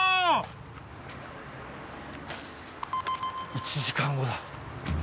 １時間後だ。